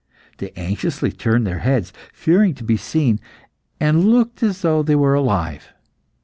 They anxiously turned their heads, fearing to be seen, and looked as though they were alive.